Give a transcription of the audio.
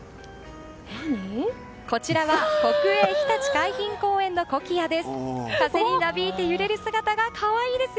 こちらは国営ひたち海浜公園のコキアです。